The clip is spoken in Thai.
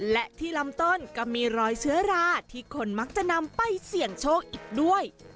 และที่ลำต้นก็มีรอยเชื้อราที่คนมักจะนำไปเสี่ยงโชคอีกด้วย